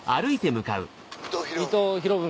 伊藤博文。